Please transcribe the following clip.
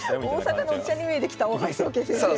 大阪のおっちゃんに見えてきた大橋宗桂先生が。